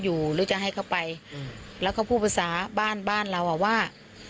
กูไม่ว่าไปหรอกแต่กูเห็นมันไป